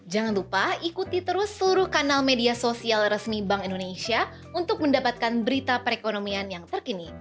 jangan lupa ikuti terus seluruh kanal media sosial resmi bank indonesia untuk mendapatkan berita perekonomian yang terkini